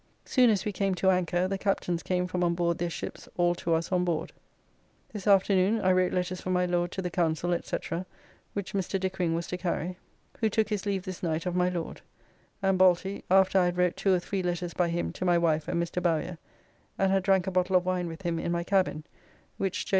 Soon as we came to anchor, the captains came from on board their ships all to us on board. This afternoon I wrote letters for my Lord to the Council, &c., which Mr. Dickering was to carry, who took his leave this night of my Lord, and Balty after I had wrote two or three letters by him to my wife and Mr. Bowyer, and had drank a bottle of wine with him in my cabin which J.